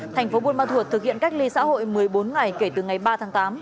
thành phố buôn ma thuột thực hiện cách ly xã hội một mươi bốn ngày kể từ ngày ba tháng tám